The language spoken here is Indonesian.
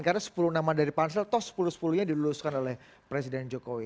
karena sepuluh nama dari pak sel toh sepuluh sepuluh nya diluluskan oleh presiden jokowi